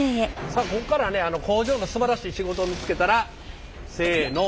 さあここからはね工場のすばらしい仕事を見つけたらせの。